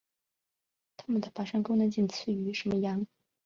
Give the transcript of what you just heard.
它们的爬山能力仅次于羱羊。